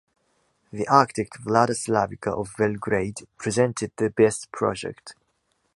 The architect Vlada Slavica of Belgrade presented the best project.